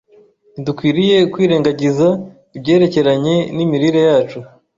Ntidukwiriye kwirengagiza ibyerekeranye n’imirire yacu